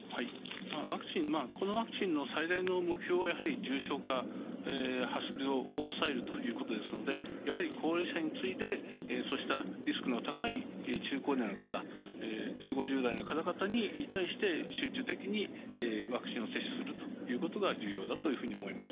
このワクチンの最大の目標は重症化、発症を抑えるということですのでやはり高齢者に次いでリスクの高い中高年の方４０５０代の方々に対して集中的にワクチンを接種するということが重要だというふうに思います。